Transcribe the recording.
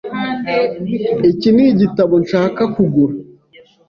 Iki nigitabo nshaka kugura.